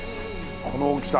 この大きさ。